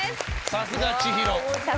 さすが千尋。